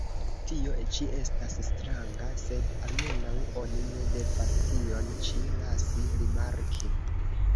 Tio ĉi estas stranga, sed almenaŭ oni ne devas tion ĉi lasi rimarki!